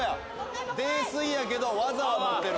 泥酔やけど技を持ってる。